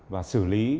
và xử lý